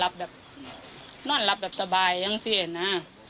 ลาดลั้ปลับสบายยังเซนะ